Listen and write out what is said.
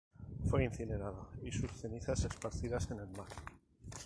Fue incinerado, y sus cenizas esparcidas en el mar.